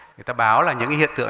người ta báo là những hiện tượng